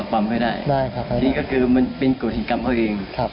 ถึงคือมันเป็นโอกทิกรรมเขาเอง